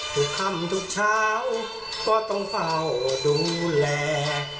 ทุกค่ำทุกเช้าก็ต้องเฝ้าดูแล